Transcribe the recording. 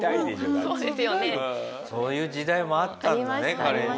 そういう時代もあったんだね